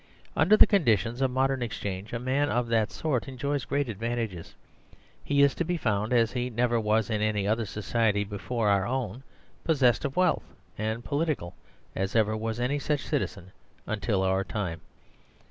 Under the conditions of modern exchangeaman of that sort enjoys great advantages. He is to be found as he never was in any other society before our own, possess ed of wealth, and political as never was any such citizen until our time.